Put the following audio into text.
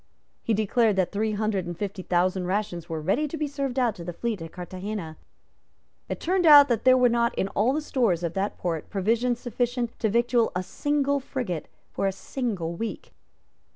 He declared that three hundred and fifty thousand rations were ready to be served out to the fleet at Carthagena. It turned out that there were not in all the stores of that port provisions sufficient to victual a single frigate for a single week.